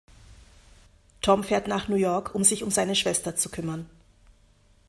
Tom fährt nach New York, um sich um seine Schwester zu kümmern.